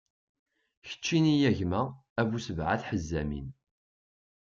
Keččini a gma, a bu sebɛa teḥzamin.